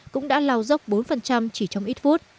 cũng đã lao dốc bốn chỉ trong ít phút